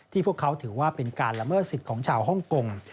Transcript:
พวกเขาถือว่าเป็นการละเมิดสิทธิ์ของชาวฮ่องกง